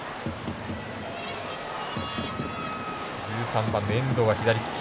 １３番の遠藤は左利き。